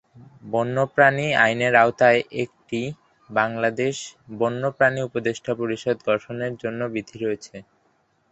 বন্যপ্রাণী আইনের আওতায় একটি "বাংলাদেশ বন্যপ্রাণী উপদেষ্টা পরিষদ" গঠনের জন্য বিধি রয়েছে।